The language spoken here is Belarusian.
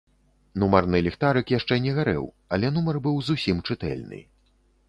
Нумарны ліхтарык яшчэ не гарэў, але нумар быў зусім чытэльны.